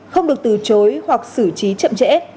không được từ chối hoặc xử trí chậm trễ